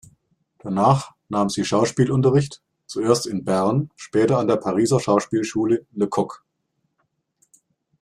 Danach nahm sie Schauspielunterricht, zuerst in Bern, später an der Pariser Schauspielschule "Lecoq".